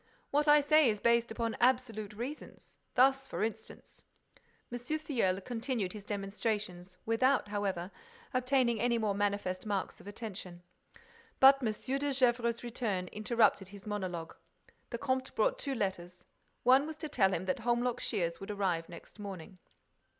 "What I say is based upon absolute reasons. Thus, for instance—" M. Filleul continued his demonstrations, without, however, obtaining any more manifest marks of attention. But M. de Gesvres's return interrupted his monologue. The comte brought two letters. One was to tell him that Holmlock Shears would arrive next morning.